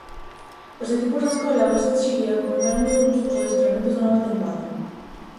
Os equipos da escola Basket Xiria comezaron o luns os adestramentos da nova tempada.